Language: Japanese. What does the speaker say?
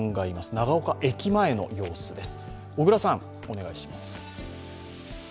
長岡駅前の様子です。